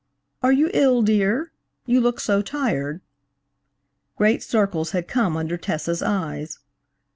"Are you ill, dear? You look so tired," Great circles had come under Tessa's eyes.